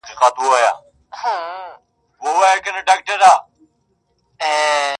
خو زړه چي ټول خولې ـ خولې هغه چي بيا ياديږي_